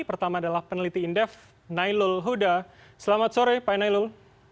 pertama adalah peneliti indef nailul huda selamat sore pak nailul